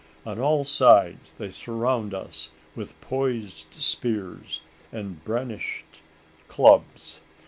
On all sides they surround us with poised spears and brandished clubs.